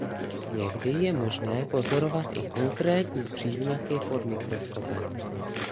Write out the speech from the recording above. Někdy je možné pozorovat i konkrétní příznaky pod mikroskopem.